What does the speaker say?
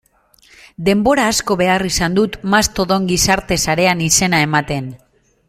Denbora asko behar izan dut Mastodon gizarte sarean izena ematen.